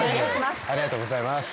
ありがとうございます。